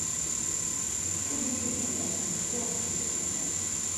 Mç̌ǩudi dixalase, gokt̆i.